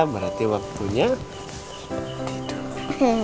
berarti waktunya tidur